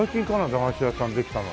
駄菓子屋さんできたの。